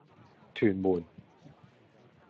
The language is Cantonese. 屯門